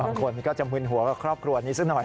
บางคนก็จะมึนหัวกับครอบครัวนี้สักหน่อย